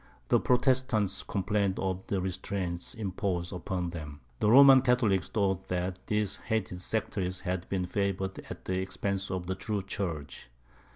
The Protestants complained of the restraints imposed upon them; the Roman Catholics thought that these hated sectaries had been favoured at the expense of the true church.